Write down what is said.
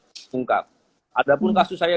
diungkap ada pun kasus saya